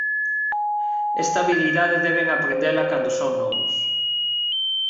Esta habilidade deben aprendela cando son novos.